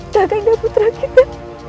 kakak dinda putra kita